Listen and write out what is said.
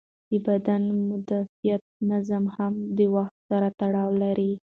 د بدن مدافعت نظام هم د وخت سره تړلی دی.